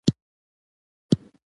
د خوبونو له نړۍ راووځه !